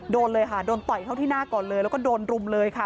โดนเลยค่ะโดนต่อยเข้าที่หน้าก่อนเลยแล้วก็โดนรุมเลยค่ะ